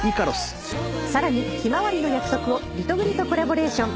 さらに『ひまわりの約束』をリトグリとコラボレーション。